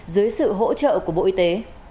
dưới sự hỗ trợ của bộ y tế